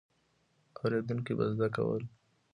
اورېدونکي به زده کول.